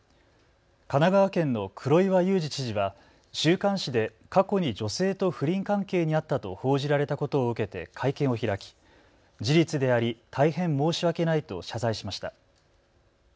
神奈川県の黒岩祐治知事は週刊誌で過去に女性と不倫関係にあったと報じられたことを受けて会見を開き事実であり大変申し訳ないと謝罪しました。